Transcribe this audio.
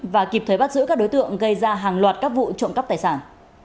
và kịp thời bắt giữ các đối tượng gây ra hàng loạt các vụ trộm cắp tài sản